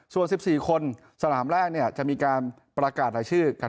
ส่วน๑๔คนสนามแรกจะมีการประกาศรายชื่อกัน